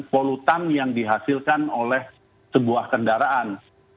polutan yang dihasilkan oleh sebuah kendaraan